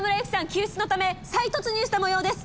救出のため再突入したもようです。